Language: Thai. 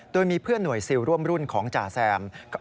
โดยมีเพื่อนหน่วยซิลร่วมรุ่นของจ่าแซม